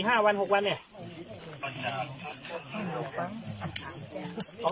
หากวันหรือหกวัน